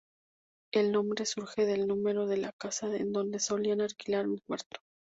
El nombre surge del número de la casa en donde solían alquilar un cuarto.